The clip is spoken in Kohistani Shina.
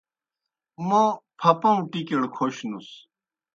موں پھپَؤں ٹِکیْڑ کھونُس۔